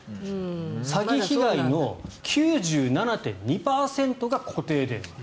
詐欺被害の９７．２％が固定電話。